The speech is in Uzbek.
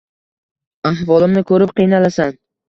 Ahvolimni ko‘rib qiynalasan.